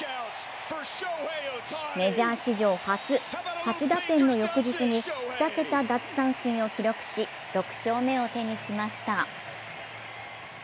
メジャー史上初、８打点の翌日に２桁奪三振を記録し、６勝目を手にしました。